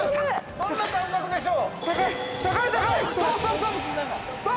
どんな感覚でしょう。